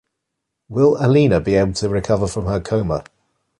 Will Alina be able to recover from her coma?